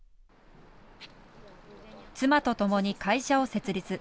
妻と共に会社を設立。